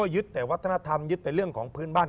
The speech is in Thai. ยึดแต่วัฒนธรรมยึดแต่เรื่องของพื้นบ้าน